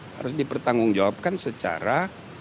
harus dipertanggung jawabkan secara